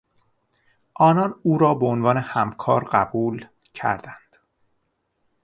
آنان او را به عنوان همکار قبول کردند.